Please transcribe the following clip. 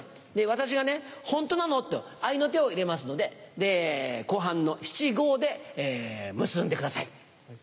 私がね「ホントなの？」と合いの手を入れますので後半の七・五で結んでください。